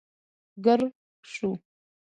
ګررر شو.